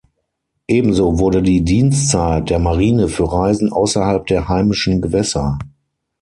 Ebenso wurde die Dienstzeit der Marine für Reisen außerhalb der heimischen Gewässer.